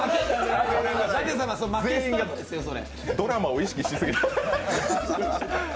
ドラマを意識しすぎ。